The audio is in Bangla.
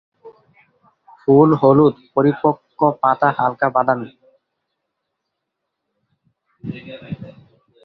ফুল হলুদ, পরিপক্ক পাতা হালকা বাদামি।